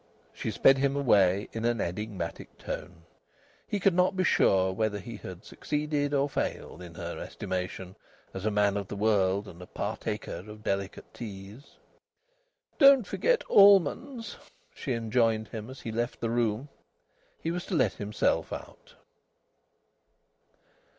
She sped him away in an enigmatic tone. He could not be sure whether he had succeeded or failed, in her estimation, as a man of the world and a partaker of delicate teas. "Don't forget Allman's!" she enjoined him as he left the room. He was to let himself out.